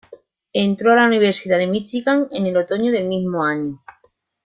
Entró a la Universidad de Michigan en el otoño del mismo año.